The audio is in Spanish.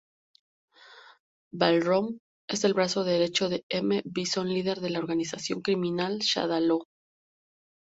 Balrog es el brazo derecho de M. Bison líder de la organización criminal Shadaloo.